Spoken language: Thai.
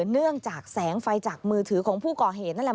เนื่องจากแสงไฟจากมือถือของผู้ก่อเหตุนั่นแหละ